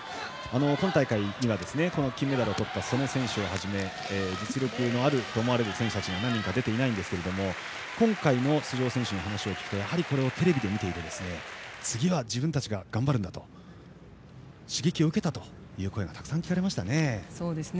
今大会には金メダルをとった素根選手はじめ実力のある選手たちも何人か出ていませんが今回の出場選手の話を聞くとやはり、これをテレビで見ていて次は自分たちが頑張るんだという刺激を受けたという声がたくさん聞かれましたね。